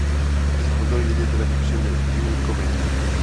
Es el fundador y líder de la agrupación The Divine Comedy.